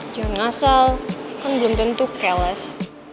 jangan ngasal kan belum tentu keles